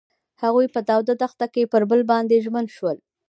هغوی په تاوده دښته کې پر بل باندې ژمن شول.